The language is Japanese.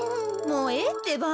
もうええってば。